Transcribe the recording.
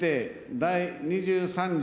第２３条